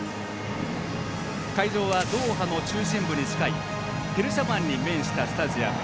会場はドーハの中心部に近いペルシャ湾に面したスタジアム。